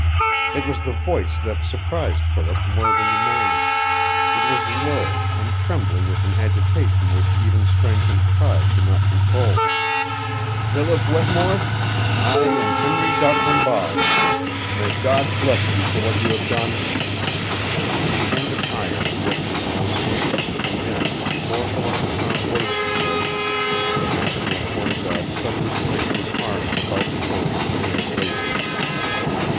It was the voice that surprised Philip more than the man. It was low, and trembling with an agitation which even strength and pride could not control. "Philip Whittemore, I am Henry d'Arcambal. May God bless you for what you have done!" A hand of iron gripped his own. And then, before Philip had found words to say, the master of Fort o' God suddenly placed his arms about his shoulders and embraced him.